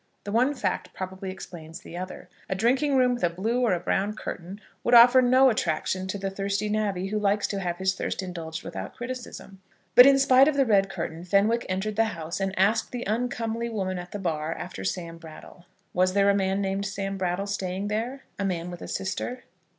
The one fact probably explains the other. A drinking room with a blue or a brown curtain would offer no attraction to the thirsty navvy who likes to have his thirst indulged without criticism. But, in spite of the red curtain, Fenwick entered the house, and asked the uncomely woman at the bar after Sam Brattle. Was there a man named Sam Brattle staying there; a man with a sister?